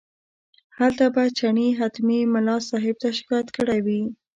هلته به چڼي حتمي ملا صاحب ته شکایت کړی وي.